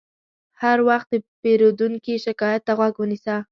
هر وخت د پیرودونکي شکایت ته غوږ ونیسه.